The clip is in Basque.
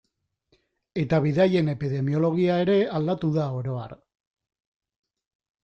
Eta bidaien epidemiologia ere aldatu da oro har.